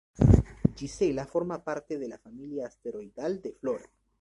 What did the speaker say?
Gisela forma parte de la familia asteroidal de Flora.